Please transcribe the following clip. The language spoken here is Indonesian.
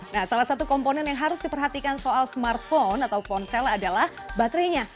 nah salah satu komponen yang harus diperhatikan soal smartphone atau ponsel adalah baterainya